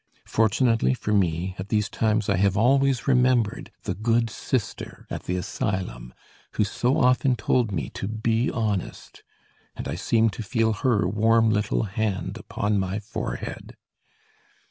Fortunately for me; at these times I have always remembered the good Sister at the Asylum, who so often told me to be honest, and I seemed to feel her warm little hand upon my forehead.